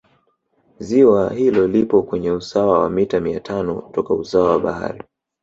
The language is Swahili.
Ziwa hilo lipo kwenye usawa wa mita mia tano toka usawa wa bahari